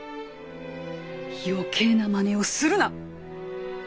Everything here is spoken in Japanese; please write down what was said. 余計なまねをするな！